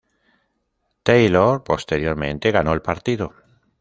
Taylor posteriormente ganó el partido.